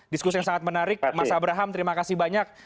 diskusi yang sangat menarik mas abraham terima kasih banyak